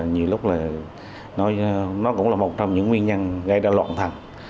nhiều lúc là nó cũng là một trong những nguyên nhân gây ra loạn thẳng